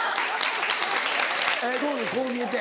どうぞ「こう見えて」。